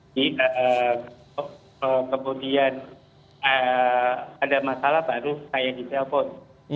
jadi kemudian ada masalah baru saya di telpon